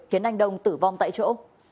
khiến anh đông tử vong tại chỗ